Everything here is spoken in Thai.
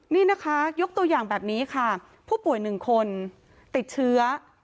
นี่นะคะยกตัวอย่างแบบนี้ค่ะผู้ป่วย๑คนติดเชื้อ